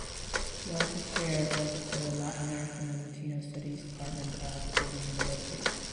He also chair of the Latin American and Latino studies department at Purdue University.